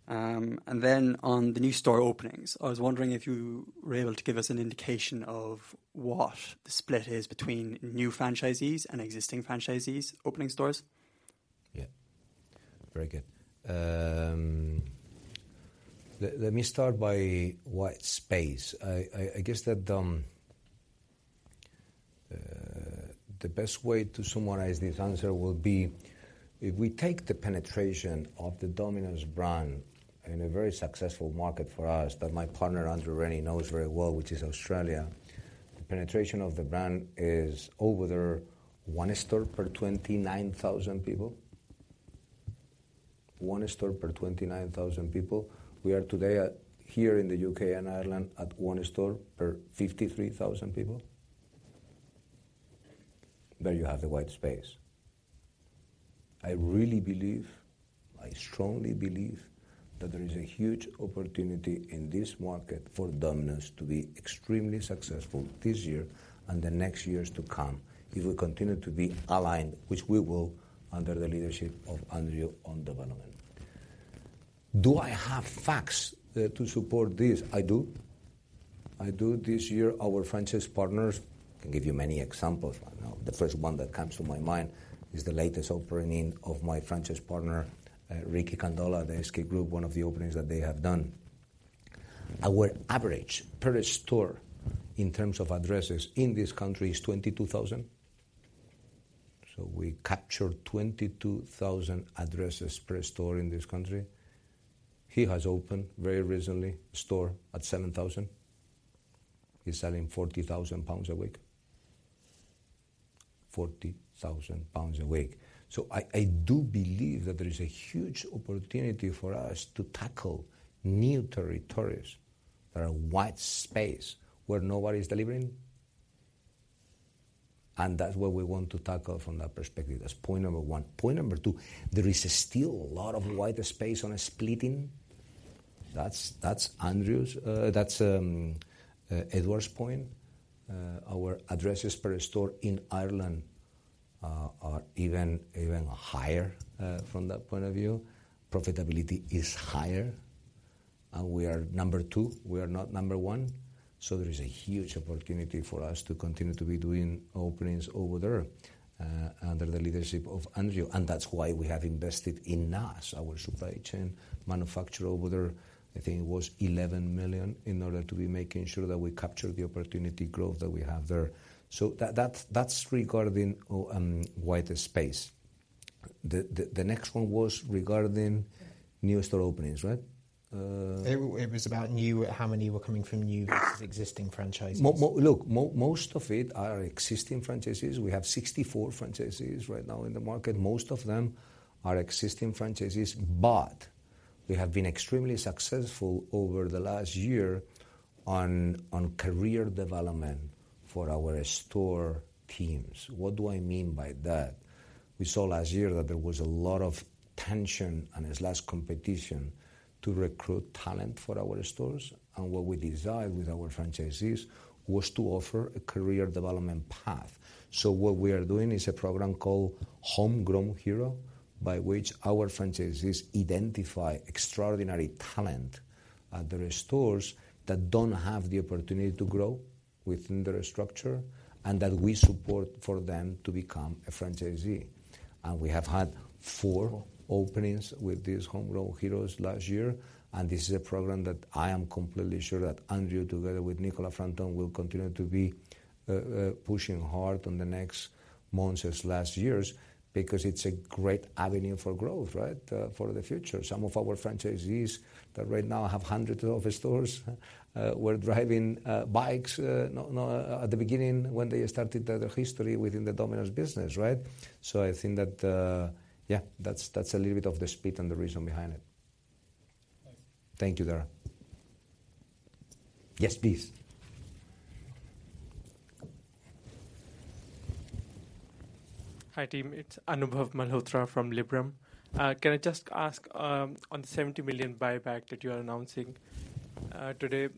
Then on the new store openings, I was wondering if you were able to give us an indication of what the split is between new franchisees and existing franchisees opening stores? Yeah. Very good. Let, let me start by white space. I, I, I guess that the best way to summarize this answer would be, if we take the penetration of the Domino's brand in a very successful market for us, that my partner, Andrew Rennie, knows very well, which is Australia, the penetration of the brand is over one store per 29,000 people. One store per 29,000 people. We are today at, here in the U.K. and Ireland, at one store per 53,000 people. There you have the white space. I really believe, I strongly believe, that there is a huge opportunity in this market for Domino's to be extremely successful this year and the next years to come, if we continue to be aligned, which we will, under the leadership of Andrew on development. Do I have facts to support this? I do. I do. This year, our franchise partners, I can give you many examples, but now the first one that comes to my mind is the latest opening of my franchise partner, Ricky Kandola, the SK Group, one of the openings that they have done. Our average per store, in terms of addresses in this country, is 22,000. We capture 22,000 addresses per store in this country. He has opened, very recently, a store at 7,000. He's selling 40,000 pounds a week. 40,000 pounds a week. So I, I do believe that there is a huge opportunity for us to tackle new territories that are white space, where nobody's delivering, and that's what we want to tackle from that perspective. That's point number one. Point number two, there is still a lot of white space on splitting. That's, that's Andrew's, that's Edward's point. Our addresses per store in Ireland are even, even higher from that point of view. Profitability is higher, and we are number two, we are not number one, so there is a huge opportunity for us to continue to be doing openings over there under the leadership of Andrew, and that's why we have invested in Naas, our supply chain manufacturer over there. I think it was 11 million, in order to be making sure that we capture the opportunity growth that we have there. That, that, that's regarding white space. The, the, the next one was regarding new store openings, right? It, it was about new, how many were coming from new versus existing franchises. Look, most of it are existing franchises. We have 64 franchises right now in the market. Most of them are existing franchises, but-... we have been extremely successful over the last year on career development for our store teams. What do I mean by that? We saw last year that there was a lot of tension and there's less competition to recruit talent for our stores, and what we desired with our franchisees was to offer a career development path. What we are doing is a program called Homegrown Hero, by which our franchisees identify extraordinary talent at their stores that don't have the opportunity to grow within their structure, and that we support for them to become a franchisee. We have had four openings with these Homegrown Heroes last year. This is a program that I am completely sure that Alex, together with Nicola Frampton, will continue to be pushing hard on the next months as last years, because it's a great avenue for growth, right, for the future. Some of our franchisees that right now have hundreds of stores, were driving bikes at the beginning when they started their history within the Domino's business, right? I think that, yeah, that's, that's a little bit of the speed and the reason behind it. Thank you, Darragh. Yes, please. Hi, team. It's Anubhav Malhotra from Liberum. Can I just ask on the 70 million buyback that you are announcing today?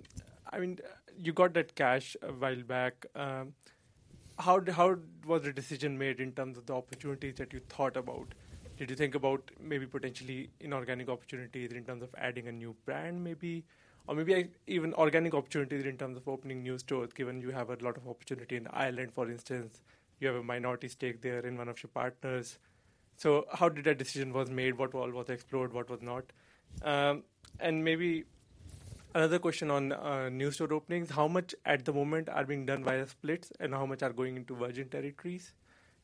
I mean, you got that cash a while back. How, how was the decision made in terms of the opportunities that you thought about? Did you think about maybe potentially inorganic opportunities in terms of adding a new brand, maybe? Or maybe, like, even organic opportunities in terms of opening new stores, given you have a lot of opportunity in Ireland, for instance, you have a minority stake there in one of your partners. How did that decision was made? What all was explored, what was not? Maybe another question on new store openings. How much at the moment are being done via splits, and how much are going into virgin territories?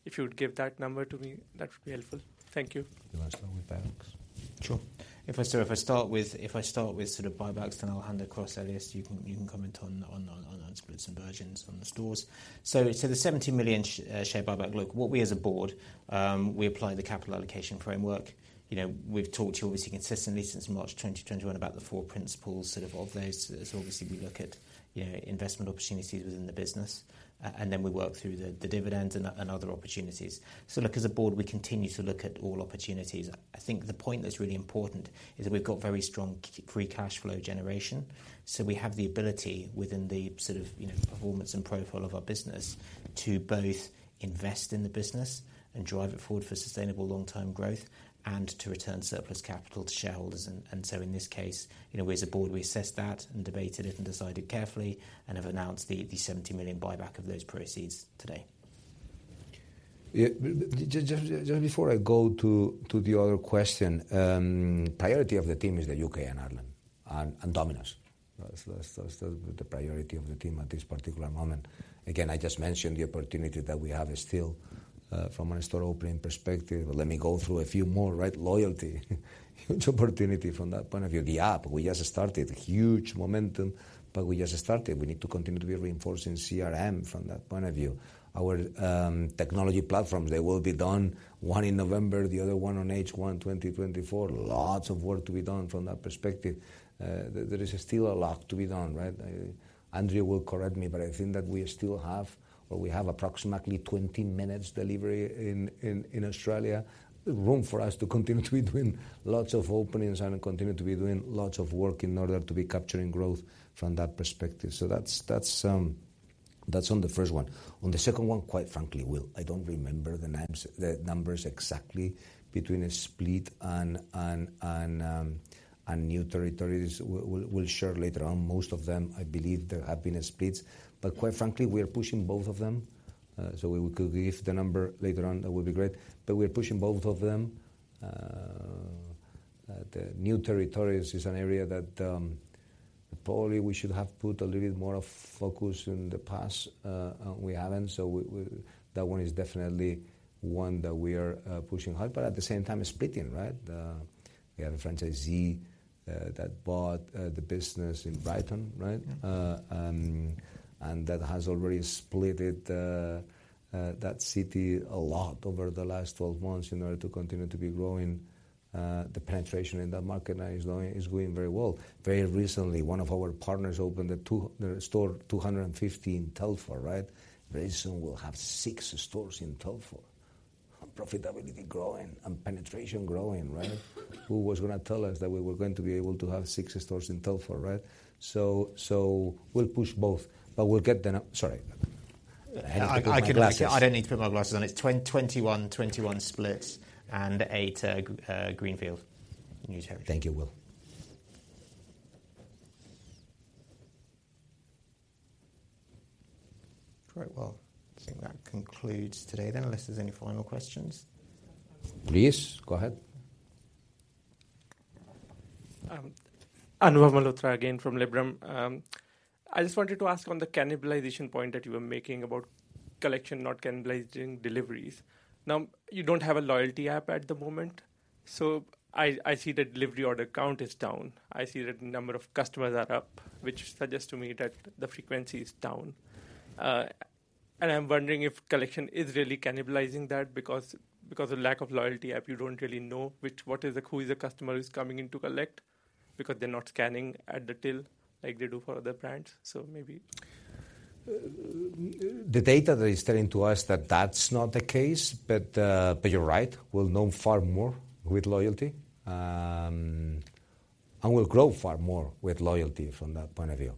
If you would give that number to me, that would be helpful. Thank you. Do you want to start with buybacks? Sure. If I start with, if I start with sort of buybacks, then I'll hand across, Elias, you can comment on splits and virgins on the stores. The 70 million share buyback, look, what we as a board, we apply the capital allocation framework. You know, we've talked to you obviously consistently since March 2021 about the four principles sort of of those. Obviously, we look at, you know, investment opportunities within the business, and then we work through the dividends and other opportunities. Look, as a board, we continue to look at all opportunities. I think the point that's really important is that we've got very strong free cash flow generation. We have the ability within the sort of, you know, performance and profile of our business, to both invest in the business and drive it forward for sustainable long-term growth and to return surplus capital to shareholders. In this case, you know, as a board, we assessed that and debated it and decided carefully and have announced the, the 70 million buyback of those proceeds today. Yeah, just before I go to the other question, priority of the team is the U.K. and Ireland and, and Domino's. That's, that's, that's the priority of the team at this particular moment. Again, I just mentioned the opportunity that we have is still from a store opening perspective. Let me go through a few more, right? Loyalty, huge opportunity from that point of view. The app, we just started. Huge momentum, but we just started. We need to continue to be reinforcing CRM from that point of view. Our technology platforms, they will be done, one in November, the other one on H1 2024. Lots of work to be done from that perspective. There, there is still a lot to be done, right? Andrew will correct me, but I think that we still have or we have approximately 20 minutes delivery in, in, in Australia. Room for us to continue to be doing lots of openings and continue to be doing lots of work in order to be capturing growth from that perspective. That's, that's, that's on the first one. On the second one, quite frankly, Will, I don't remember the names, the numbers exactly between a split and, and, and new territories. We'll, we'll share later on. Most of them, I believe, there have been splits. Quite frankly, we are pushing both of them. We would give the number later on, that would be great. We're pushing both of them. The new territories is an area that, probably we should have put a little bit more of focus in the past. We haven't. That one is definitely one that we are pushing hard. At the same time, splitting, right? We have a franchisee that bought the business in Brighton, right? That has already splitted that city a lot over the last 12 months in order to continue to be growing. The penetration in that market now is going, is going very well. Very recently, one of our partners opened a store 250 in Telford, right? Very soon, we'll have 6 stores in Telford. Profitability growing and penetration growing, right? Who was gonna tell us that we were going to be able to have six stores in Telford, right? We'll push both, but we'll get the Sorry. I, I have to put my glasses on. I, I can... I don't need to put my glasses on. It's 21, 21 splits and eight greenfield new territories. Thank you, Will. Great. Well, I think that concludes today then, unless there's any final questions. Please, go ahead. Anubhav Malhotra again from Liberum. I just wanted to ask on the cannibalization point that you were making about collection not cannibalizing deliveries. Now, you don't have a loyalty app at the moment, so I, I see the delivery order count is down. I see that the number of customers are up, which suggests to me that the frequency is down. I'm wondering if collection is really cannibalizing that, because, because of lack of loyalty app, you don't really know which, what is the, who is the customer who's coming in to collect, because they're not scanning at the till like they do for other brands, so maybe? The data that is telling to us that that's not the case, but you're right. We'll know far more with loyalty. We'll grow far more with loyalty from that point of view.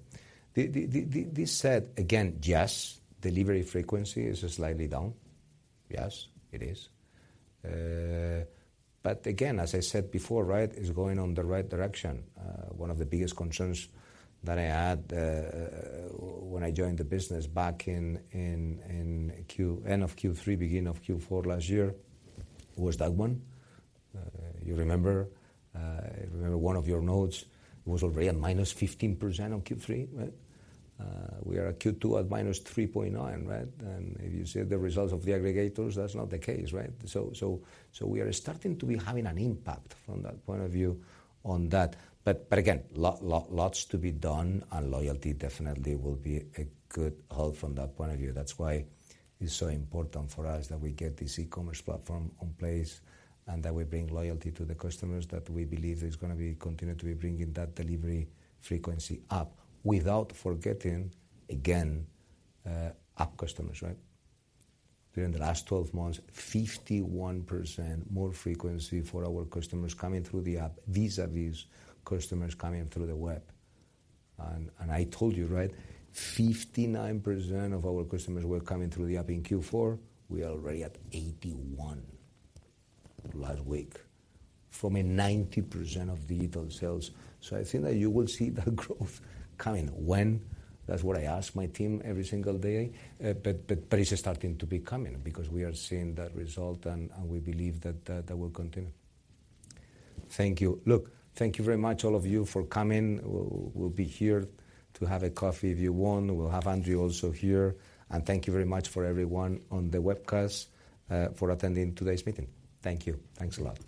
This said, again, yes, delivery frequency is slightly down. Yes, it is. Again, as I said before, right, it's going on the right direction. One of the biggest concerns that I had when I joined the business back in, in, in end of Q3, beginning of Q4 last year, was that one. You remember, I remember one of your notes was already at -15% on Q3, right? We are at Q2 at -3.9%, right? If you see the results of the aggregators, that's not the case, right? we are starting to be having an impact from that point of view on that. again, lots to be done, and loyalty definitely will be a good help from that point of view. That's why it's so important for us that we get this e-commerce platform in place, and that we bring loyalty to the customers that we believe is gonna be continue to be bringing that delivery frequency up, without forgetting, again, app customers, right? During the last 12 months, 51% more frequency for our customers coming through the app, vis-a-vis customers coming through the web. I told you, right, 59% of our customers were coming through the app in Q4. We are already at 81 last week, from a 90% of digital sales. I think that you will see that growth coming. When? That's what I ask my team every single day, but, but, but it's starting to be coming, because we are seeing that result, and, and we believe that that will continue. Thank you. Look, thank you very much, all of you, for coming. We'll, we'll be here to have a coffee if you want. We'll have Andrew also here, and thank you very much for everyone on the webcast, for attending today's meeting. Thank you. Thanks a lot.